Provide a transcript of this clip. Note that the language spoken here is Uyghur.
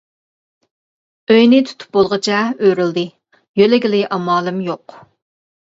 ئۆينى تۇتۇپ بولغۇچە ئۆرۈلدى، يۆلىگىلى ئامالىم يوق.